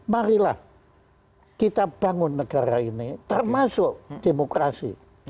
marilah kita bangun negara ini termasuk demokrasi